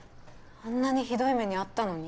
あんなにひどい目に遭ったのに？